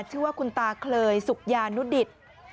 ชื่อว่าคุณตาเคยสุขยานุดิต